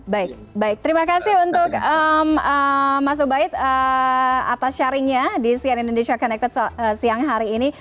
baik baik terima kasih untuk mas ubaid atas sharingnya di sian indonesia connected siang hari ini